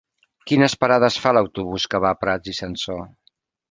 Quines parades fa l'autobús que va a Prats i Sansor?